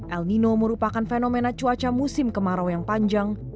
el nino merupakan fenomena cuaca musim kemarau yang panjang